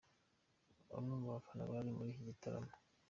Bamwe mu bafana bari muri iki gitaramo.